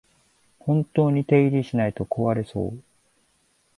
本当に手入れしないと壊れそう